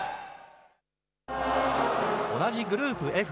同じグループＦ。